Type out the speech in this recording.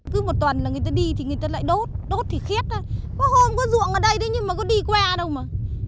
cứ một tuần là người ta đi thì người ta lại đốt đốt thì khét ra có hôm có ruộng ở đây đấy nhưng mà có đi qua đâu mà